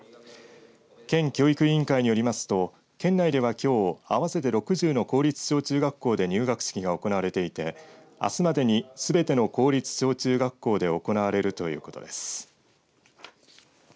県教育委員会によりますと県内ではきょう合わせて６０の公立小中学校で入学式が行われていてあすまでにすべての公立小中学校で行われるということです。